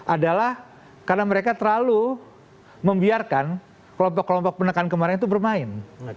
adalah karena mereka terlalu membiarkan kelompok kelompok penekan kemarin itu bermain